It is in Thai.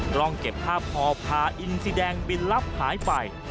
กล้องเก็บภาพพอพาอินสีแดงบินลับหายไป